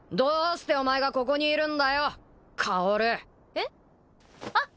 えっ？あっ！